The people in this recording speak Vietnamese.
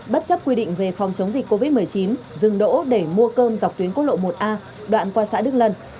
bất chấp quy định về phòng chống dịch covid một mươi chín dừng đỗ để mua cơm dọc tuyến quốc lộ một a đoạn qua xã đức lân